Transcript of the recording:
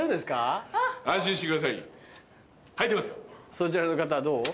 そちらの方はどう？